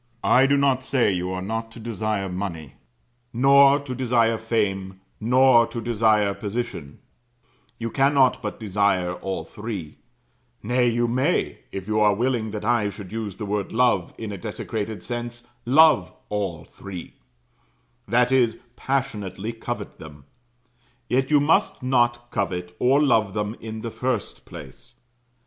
I do not say you are to desire money, nor to desire fame, nor to desire position; you cannot but desire all three; nay, you may if you are willing that I should use the word Love in a desecrated sense love all three; that is, passionately covet them, yet you must not covet or love them in the first place.